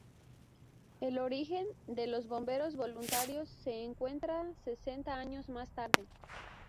El origen de los Bomberos Voluntarios se encuentra sesenta años más tarde.